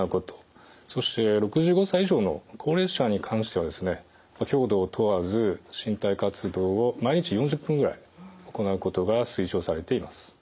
そして６５歳以上の高齢者に関しては強度を問わず身体活動を毎日４０分ぐらい行うことが推奨されています。